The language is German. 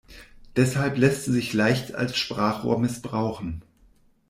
Deshalb lässt sie sich leicht als Sprachrohr missbrauchen.